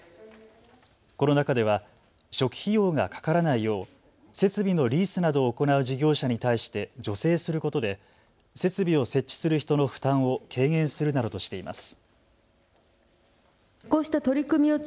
この中では初期費用がかからないよう設備のリースなどを行う事業者に対して助成することで設備を設置する人の負担を軽減するなどとしています。